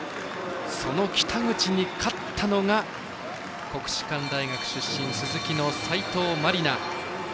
その北口に勝ったのが国士舘大学出身スズキの斉藤真理菜。